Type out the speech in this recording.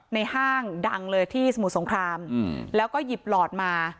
ห้างดังเลยที่สมุทรสงครามแล้วก็หยิบหลอดมา